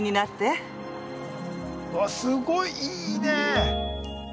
わっすごいいいね。